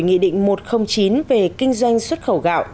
nghị định một trăm linh chín về kinh doanh xuất khẩu gạo